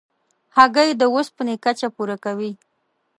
هګۍ د اوسپنې کچه پوره کوي.